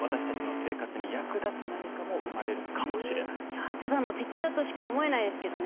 いやただの敵だとしか思えないですけどね。